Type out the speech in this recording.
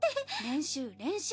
練習練習。